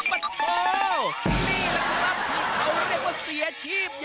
โบ๊ะนี่ล่ะครับ